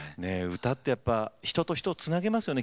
歌ってやっぱ人と人をつなぎますよね